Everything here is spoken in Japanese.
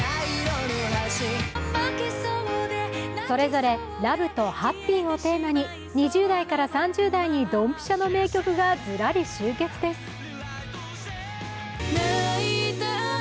それぞれ「ＬＯＶＥ」と「ＨＡＰＰＹ」をテーマに２０代から３０代にドンピシャの名曲がズラリ集結です。